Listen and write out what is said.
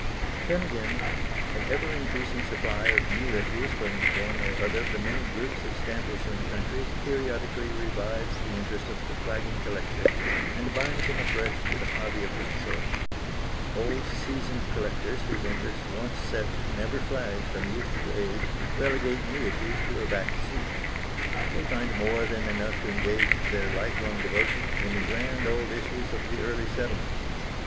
Then, again, an ever increasing supply of new issues from one or other of the many groups of stamp issuing countries periodically revives the interest of the flagging collector, and binds him afresh to the hobby of his choice. Old, seasoned collectors, whose interest once set never flags from youth to age, relegate new issues to a back seat. They find more than enough to engage their lifelong devotion in the grand old issues of the early settlements.